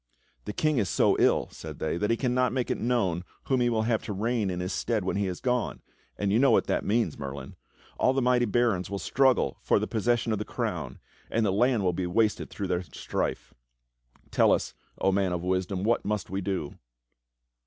"The King is so ill," said they, "that he cannot make it known IG THE STORY OF KING ARTHUR whom he will have to reign in his stead when he is gone, and you know what that means, Merlin. All the mighty barons will struggle for the possession of the crown, and the land will be wasted through their strife. Tell us, O Man of Wisdom, what must we do.?"